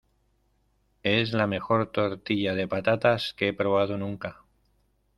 Es la mejor tortilla de patatas que he probado nunca.